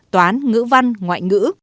toán ngữ văn ngoại ngữ